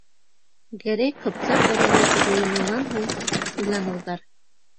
Гәрәй-Ҡыпсаҡ ырыуы йыйынынан һуң уйланыуҙар